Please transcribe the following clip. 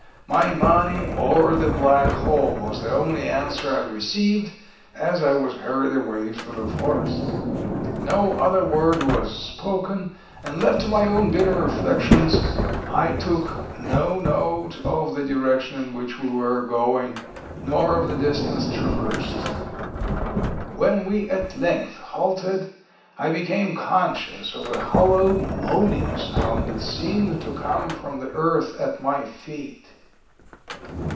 My money or the Black Hole was the only answer I received, as I was hurried away through the forest. No other word was spoken, and, left to my own bitter reflections, I took no note of the direction in which we were going, nor of the distance traversed. When we at length halted I became conscious of a hollow moaning sound that seemed to come from the earth at my feet.